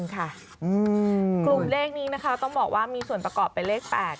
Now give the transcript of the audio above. กลุ่มเลขนี้นะคะต้องบอกว่ามีส่วนประกอบเป็นเลข๘